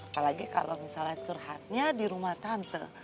apalagi kalau misalnya curhatnya di rumah tante